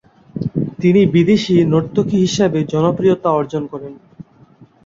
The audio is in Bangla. তিনি বিদেশী নর্তকী হিসাবে জনপ্রিয়তা অর্জন করেন।